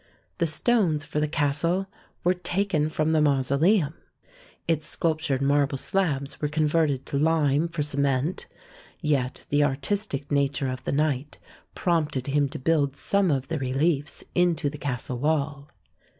The stones for the castle were taken from the mausoleum; its sculptured marble slabs were converted to lime for cement, yet the artistic nature of the knight prompted him to build some of the reliefs into the castle wall.